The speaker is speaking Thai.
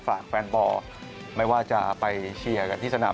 ฝากแฟนบอลไม่ว่าจะไปเชียร์กันที่สนาม